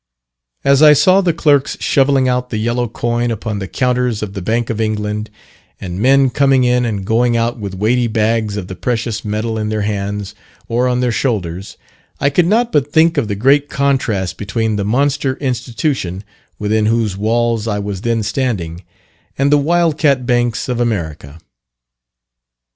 As I saw the clerks shovelling out the yellow coin upon the counters of the Bank of England, and men coming in and going out with weighty bags of the precious metal in their hands, or on their shoulders, I could not but think of the great contrast between the monster Institution, within whose walls I was then standing, and the Wild Cat Banks of America!